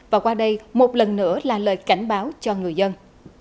và qua đây một lần nữa là lời cảnh báo cho người dân